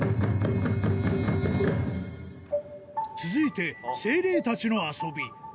続いて精霊たちの遊び